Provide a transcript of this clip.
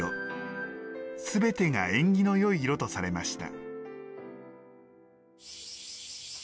全てが縁起のよい色とされました。